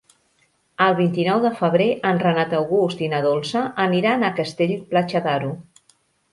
El vint-i-nou de febrer en Renat August i na Dolça aniran a Castell-Platja d'Aro.